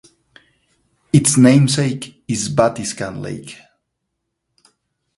Its namesake is Batiscan Lake.